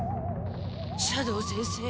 斜堂先生